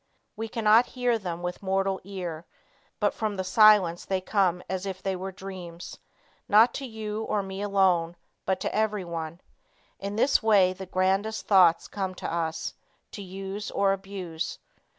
We cannot hear them with mortal ear, but from the silence they come as if they were dreams, not to you or me alone, but to everyone. In this way the grandest thoughts come to us, to use or abuse.